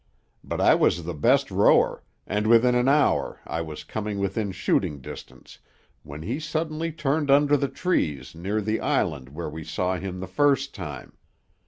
But I was the best rower, and within an hour I was coming within shooting distance, when he suddenly turned under the trees, near the island where we saw him the first time.